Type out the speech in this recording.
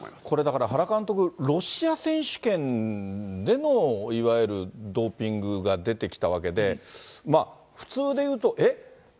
これだから、原監督、ロシア選手権でのいわゆるドーピングが出てきたわけで、普通で言うと、えっ？